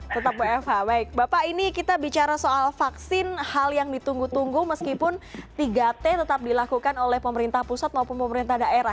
tetap wfh baik bapak ini kita bicara soal vaksin hal yang ditunggu tunggu meskipun tiga t tetap dilakukan oleh pemerintah pusat maupun pemerintah daerah